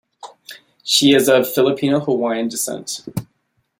She is of Filipino Hawaiian descent.